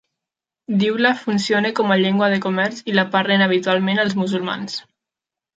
Dyula funciona com a llengua de comerç i la parlen habitualment els musulmans.